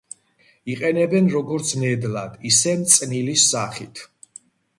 იყენებენ როგორც ნედლად, ისე მწნილის სახით.